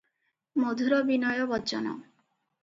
ମଧୁର ବିନୟ ବଚନ ।